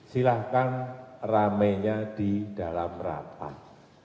silahkan rame nya di dalam rapat